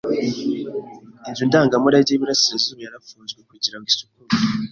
Inzu ndangamurage y’iburasirazuba yarafunzwe kugira ngo isukure.